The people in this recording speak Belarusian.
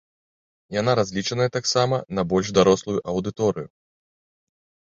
Яна разлічаная таксама на больш дарослую аўдыторыю.